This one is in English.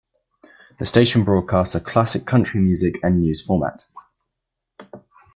The station broadcasts a classic country music and news format.